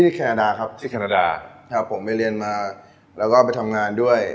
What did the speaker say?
แคนาดาครับที่แคนาดาครับผมไปเรียนมาแล้วก็ไปทำงานด้วย